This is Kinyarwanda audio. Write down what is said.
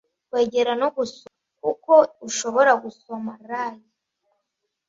kwegera no gusoma (kuko ushobora gusoma) lay